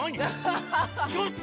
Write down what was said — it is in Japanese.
ちょっと！